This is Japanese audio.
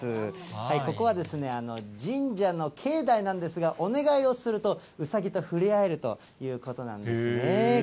ここは神社の境内なんですが、お願いをすると、うさぎと触れ合えるということなんですね。